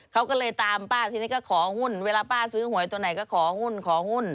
เขาก็เลยตามป้าทีนี้ก็ขอหุ้นเวลาป้าซื้อหวยตัวไหนก็ขอหุ้นขอหุ้น